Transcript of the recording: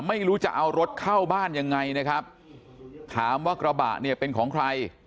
ไม่รู้จะเอารถเข้าบ้านยังไงนะครับถามว่ากระบะเนี่ยเป็นของใคร